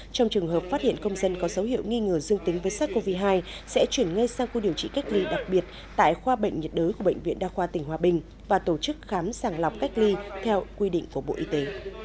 trong trường hợp phát hiện công dân có dấu hiệu nghi ngờ dương tính với sars cov hai sẽ chuyển ngay sang khu điều trị cách ly đặc biệt tại khoa bệnh nhiệt đới của bệnh viện đa khoa tỉnh hòa bình và tổ chức khám sàng lọc cách ly theo quy định của bộ y tế